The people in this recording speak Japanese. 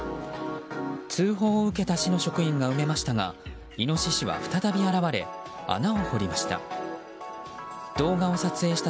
通報を受けた市の職員が埋めましたがイノシシは再び現れ穴を掘りました。